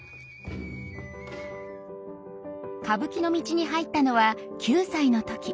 歌舞伎の道に入ったのは９歳の時。